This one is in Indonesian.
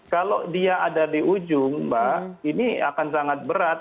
kalau dia ada di ujung mbak ini akan sangat berat